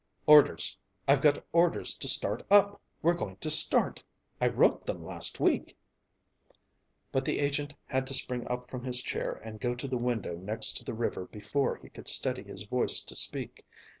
"Orders I've got orders to start up; we're going to start I wrote them last week " But the agent had to spring up from his chair and go to the window next the river before he could steady his voice to speak.